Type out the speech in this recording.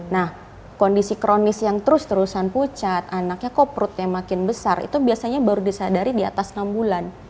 nah kondisi kronis yang terus terusan pucat anaknya kok perutnya makin besar itu biasanya baru disadari di atas enam bulan